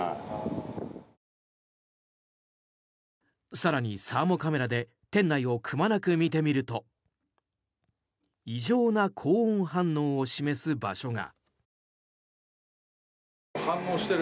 更に、サーモカメラで店内をくまなく見てみると異常な高温反応を示す場所が。